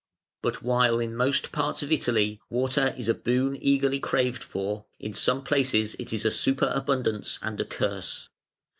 ] But while in most parts of Italy water is a boon eagerly craved for, in some places it is a superabundance and a curse.